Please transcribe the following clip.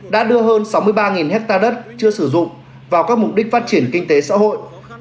đã đưa hơn sáu mươi ba hectare đất chưa sử dụng vào các mục đích phát triển kinh tế xã hội